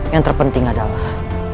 yang terpenting adalah